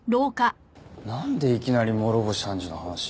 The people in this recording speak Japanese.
なんでいきなり諸星判事の話に？